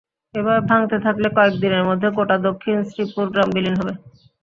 এভাবে ভাঙতে থাকলে কয়েক দিনের মধ্যে গোটা দক্ষিণ শ্রীপুর গ্রাম বিলীন হবে।